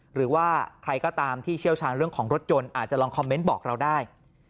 หรือว่าใครก็ตามที่เชี่ยวชาญเรื่องของรถยนต์อาจจะลองคอมเมนต์บอกเราได้